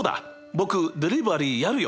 僕デリバリーやるよ！